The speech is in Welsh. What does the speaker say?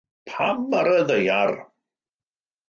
Pam ar y ddaear?